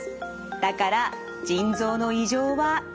だから腎臓の異常は一大事。